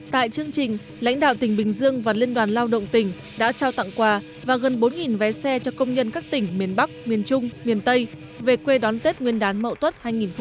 tại chương trình lãnh đạo tỉnh bình dương và liên đoàn lao động tỉnh đã trao tặng quà và gần bốn vé xe cho công nhân các tỉnh miền bắc miền trung miền tây về quê đón tết nguyên đán mậu tuất hai nghìn hai mươi